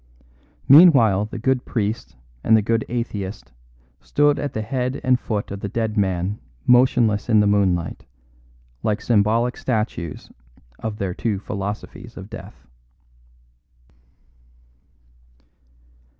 Meanwhile the good priest and the good atheist stood at the head and foot of the dead man motionless in the moonlight, like symbolic statues of their two philosophies of death.